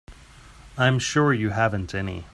I'm sure you haven't any.